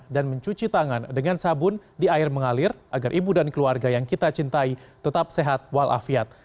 dan mencuci tangan dengan sabun di air mengalir agar ibu dan keluarga yang kita cintai tetap sehat walafiat